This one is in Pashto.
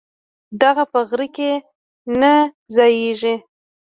دغله په غره کی نه ځاييږي